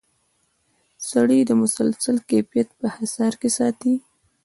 سړی د مسلسل کیفیت په حصار کې ساتي.